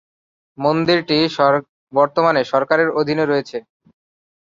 মন্দিরটি বর্তমানে সরকারের অধীনে রয়েছে।